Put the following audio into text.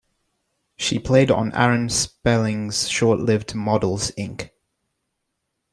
She played on Aaron Spelling's short-lived "Models, Inc.".